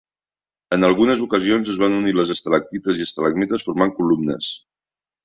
En algunes ocasions es van unir les estalactites i estalagmites formant columnes.